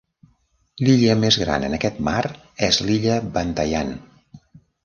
L'illa més gran en aquest mar és l'illa Bantayan.